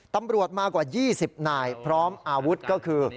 ตำรวจมากว่า๒๐นายพร้อมอาวุธก็คือ